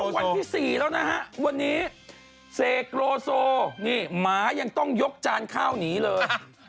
วันที่๔แล้วนะฮะวันนี้เสกโลโซนี่หมายังต้องยกจานข้าวหนีเลย